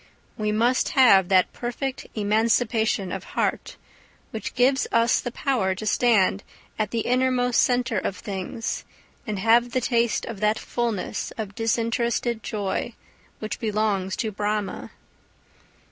We must have that perfect emancipation of heart which gives us the power to stand at the innermost centre of things and have the taste of that fullness of disinterested joy which belongs to Brahma.